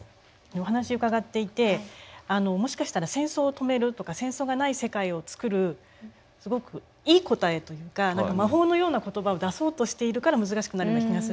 お話伺っていてもしかしたら戦争を止めるとか戦争がない世界をつくるすごくいい答えというか何か魔法のような言葉を出そうとしているから難しくなるような気がするんです。